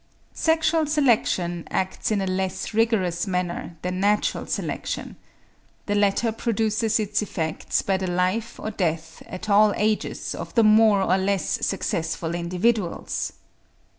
Sexual selection acts in a less rigorous manner than natural selection. The latter produces its effects by the life or death at all ages of the more or less successful individuals.